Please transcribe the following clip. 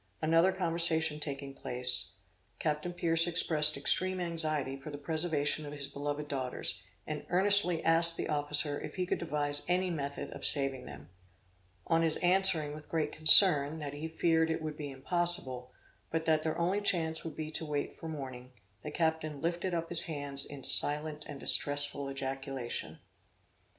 Another conversation taking place, Captain Pierce expressed extreme anxiety for the preservation of his beloved daughters, and earnestly asked the officer if he could devise any method of saving them. On his answering with great concern, that he feared it would be impossible, but that their only chance would be to wait for morning, the captain lifted up his hands in silent and distressful ejaculation.